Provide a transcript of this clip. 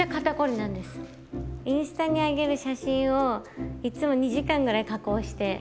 インスタに上げる写真をいつも２時間ぐらい加工して。